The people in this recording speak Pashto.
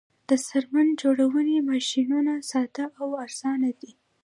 د څرمن جوړونې ماشینونه ساده او ارزانه دي